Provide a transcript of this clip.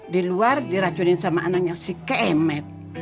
di luar diracunin sama anaknya si kemet